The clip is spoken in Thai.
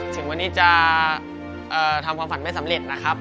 ถึงวันนี้จะทำความฝันไม่สำเร็จนะครับ